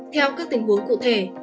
theo các tình huống cụ thể